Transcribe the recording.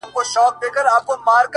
ه ولي په زاړه درد کي پایماله یې،